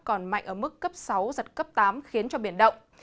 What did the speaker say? còn mạnh ở mức cấp sáu giật cấp tám khiến cho biển động